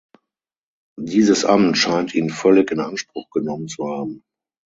Dieses Amt scheint ihn völlig in Anspruch genommen zu haben.